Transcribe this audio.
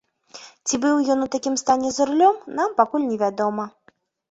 Ці быў ён у такім стане за рулём, нам пакуль не вядома.